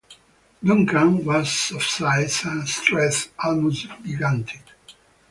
Duncan was of size and strength almost gigantic.